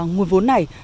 nguồn vốn này